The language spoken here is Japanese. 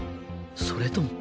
それとも